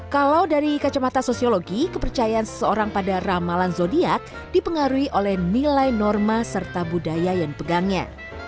kalau dari kacamata sosiologi kepercayaan seseorang pada ramalan zodiac dipengaruhi oleh nilai norma serta budaya yang dipegangnya